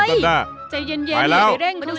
ไปแล้ว